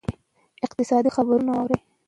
اقتصادي خبرونه واورئ.